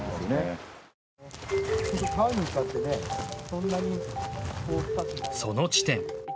その地点。